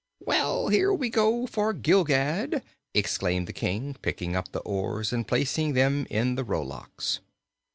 "Well, here we go for Gilgad!" exclaimed the King, picking up the oars and placing them in the row locks.